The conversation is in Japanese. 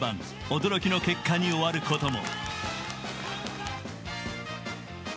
驚きの結果に終わることも。